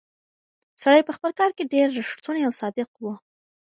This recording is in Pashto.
سړی په خپل کار کې ډېر ریښتونی او صادق و.